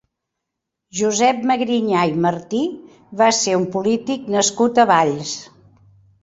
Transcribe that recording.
Josep Magriñà i Martí va ser un polític nascut a Valls.